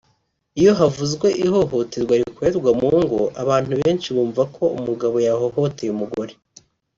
Iyo havuzwe ihohoterwa rikorerwa mu ngo abantu benshi bumva ko umugabo yahohoteye umugore